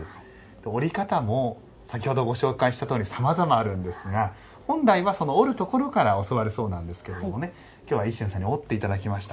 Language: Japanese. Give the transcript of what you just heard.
折り方も先ほどご紹介したとおりさまざまあるんですが本来は、折るところから教わるそうなんですが今日は、一春さんに折っていただきました。